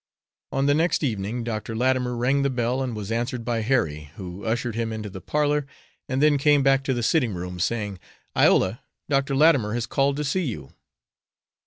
On the next evening, Dr. Latimer rang the bell and was answered by Harry, who ushered him into the parlor, and then came back to the sitting room, saying, "Iola, Dr. Latimer has called to see you."